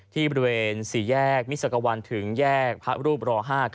ที่บริเวณ๔แยกมิสกวันถึงแยกพระรูปร๕๙